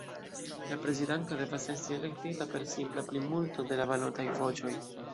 La prezidanto devas esti elektita per simpla plimulto de la balotaj voĉoj.